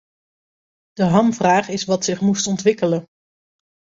De hamvraag is wat zich moest ontwikkelen.